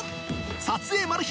撮影マル秘